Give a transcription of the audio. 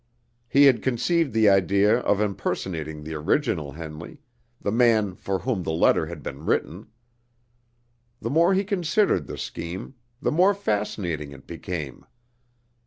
He had conceived the idea of impersonating the original Henley, the man for whom the letter had been written. The more he considered the scheme, the more fascinating it became.